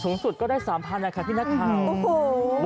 สูงสุดก็ได้๓๐๐๐บาทค่ะพี่นักข่าว